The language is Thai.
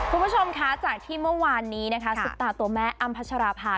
คุณผู้ชมคะจากที่เมื่อวานนี้นะคะซุปตาตัวแม่อ้ำพัชราภา